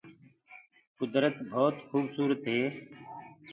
ڪُدرت ڀوت کوُبسوُرت هي۔